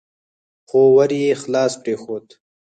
خو ور يې خلاص پرېښود.